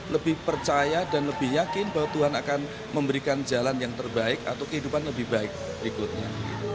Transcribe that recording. lebih percaya dan lebih yakin bahwa tuhan akan memberikan jalan yang terbaik atau kehidupan lebih baik berikutnya